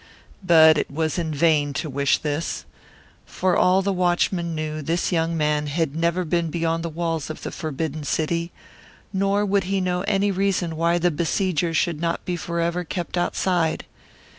But it was vain to wish this. For all the watchman knew this young man had never been beyond the walls of the forbidden city, nor would he know any reason why the besieger should not forever be kept outside.